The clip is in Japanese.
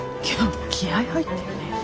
今日気合い入ってるね。